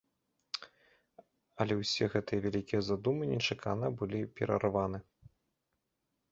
Але ўсе гэтыя вялікія задумы нечакана былі перарваны.